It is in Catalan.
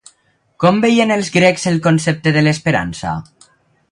Com veien els grecs el concepte de l'esperança?